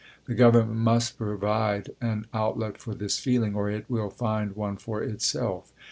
The Gov ernment must provide an outlet for this feeling or it will find one for itself.